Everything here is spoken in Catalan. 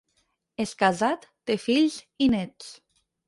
És casat, té fills i néts.